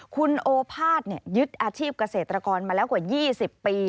คุณโอภาษยึดอาชีพเกษตรกรมาแล้วกว่า๒๐ปี